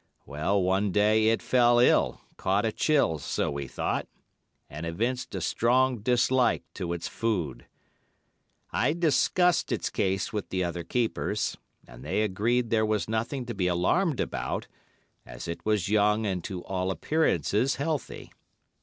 Well, one day it fell ill, caught a chill, so we thought, and evinced a strong dislike to its food. I discussed its case with the other keepers, and they agreed there was nothing to be alarmed about, as it was young and to all appearances healthy.